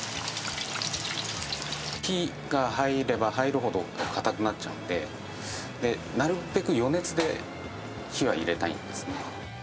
火が入れば入るほど、硬くなっちゃうんで、なるべく余熱で火は入れたいんですね。